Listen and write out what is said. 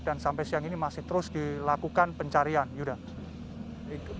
dan sampai siang ini masih terus dilakukan pencarian yudha